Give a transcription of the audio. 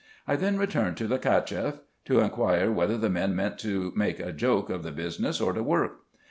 I then returned to the Cacheff, to inquire whether the men meant to make a joke of the business, or to work.